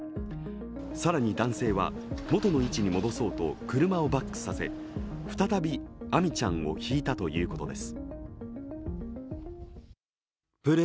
更に男性は元の位置に戻そうと車をバックさせ再び亜海ちゃんをひいたということです。